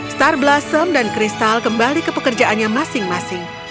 star blossom dan kristal kembali ke pekerjaannya masing masing